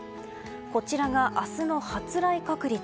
こちらが、明日の発雷確率。